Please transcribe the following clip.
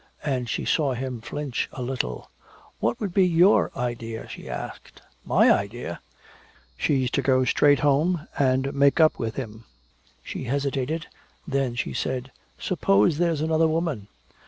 And she saw him flinch a little. "What would be your idea?" she asked. "My idea? She's to go straight home and make up with him!" She hesitated. Then she said: "Suppose there's another woman."